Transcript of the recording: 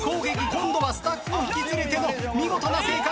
今度はスタッフを引き連れての見事な生還。